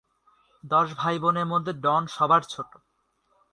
দশ ভাইবোনের মধ্যে ডন সবার ছোট।